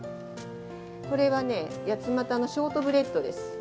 これはねやつまたのショートブレッドです。